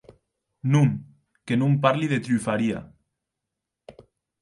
Non, que non parli de trufaria.